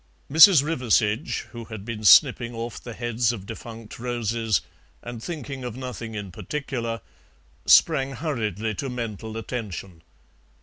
Mrs. Riversedge, who had been snipping off the heads of defunct roses, and thinking of nothing in particular, sprang hurriedly to mental attention.